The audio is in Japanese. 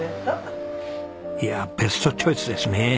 いやあベストチョイスですね。